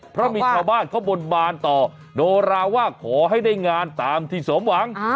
เพราะมีชาวบ้านเขาบนบานต่อโนราว่าขอให้ได้งานตามที่สมหวัง